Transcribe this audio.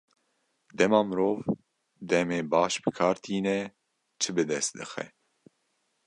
Dema mirov demê baş bi kar tîne, çi bi dest dixe?